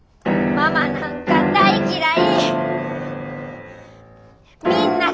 ママなんか大嫌い！